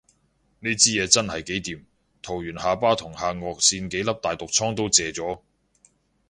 呢支嘢真係幾掂，搽完下巴同下頷線幾粒大毒瘡都謝咗